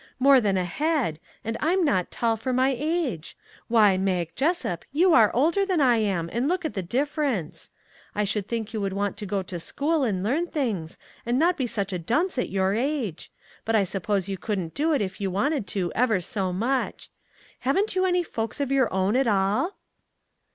More than a head, and I am not tall for my age. Why, Mag Jessup, you are older than I am ; and look at the difference ! I 189 MAG AND MARGARET should think you would want to go to school and learn things, and not be such a dunce at your age; but I suppose you couldn't do it if you wanted to ever so much. Haven't you any folks of your own at all